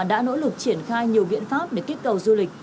đã nỗ lực triển khai nhiều biện pháp để kích cầu du lịch